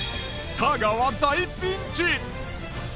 太川大ピンチ。